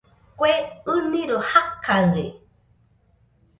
Kue ɨniroi jakaɨe